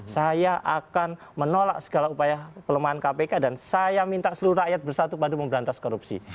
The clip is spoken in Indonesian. saya akan menolak segala upaya pelemahan kpk dan saya minta seluruh rakyat bersatu padu memberantas korupsi